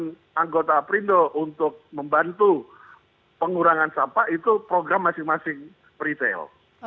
dan anggota aprindo untuk membantu pengurangan sampah itu program masing masing retail